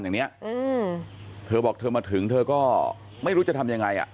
อย่างเนี้ยอืมเธอบอกเธอมาถึงเธอก็ไม่รู้จะทำยังไงอ่ะ